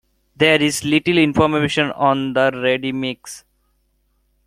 There is little information on the Radimichs.